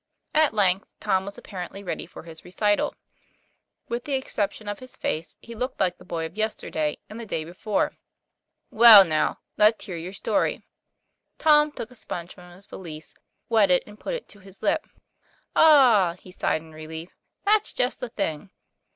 At length Tom was apparently ready for his re cital. With the exception of his face, he looked like the boy of yesterday and the day before. "Well, now, let's hear your story." Tom took a sponge from his valise, wet it and put it to his lip. "Ah!" he sighed in relief; "that's just the thing."